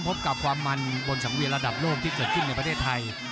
พบกับความมันบนสังเวียนระดับโลกที่เกิดขึ้นในประเทศไทย